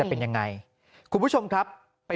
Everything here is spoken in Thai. เป็นยังไงคุณผู้ชมครับ